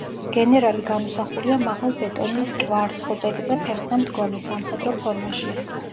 გენერალი გამოსახულია მაღალ ბეტონის კვარცხლბეკზე ფეხზე მდგომი, სამხედრო ფორმაში.